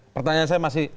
pertanyaan saya masih